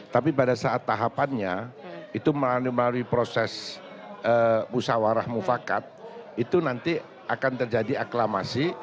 tapi pada saat tahapannya itu melalui proses musawarah mufakat itu nanti akan terjadi aklamasi